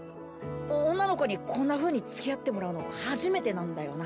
女の子にこんなふうに付き合ってもらうの初めてなんだよな。